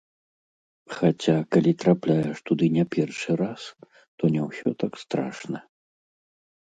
Хаця, калі трапляеш туды не першы раз, то не ўсё так страшна.